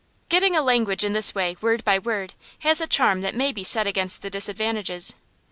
Getting a language in this way, word by word, has a charm that may be set against the disadvantages.